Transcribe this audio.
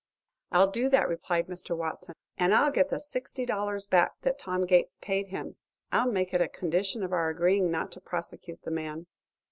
"I'll do that," replied Mr. Watson. "And I'll get the sixty dollars back that Tom Gates paid him. I'll make it a condition of our agreeing not to prosecute the man."